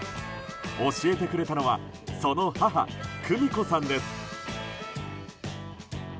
教えてくれたのはその母・久美子さんです。